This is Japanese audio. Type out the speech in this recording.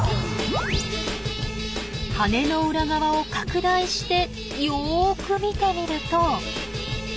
翅の裏側を拡大してよく見てみると。